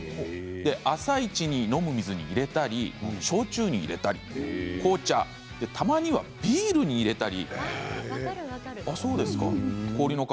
朝一に飲む水に入れたり焼酎に入れたり紅茶たまにはビールに入れたり。